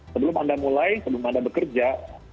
sebelum anda mulai sebelum anda bekerja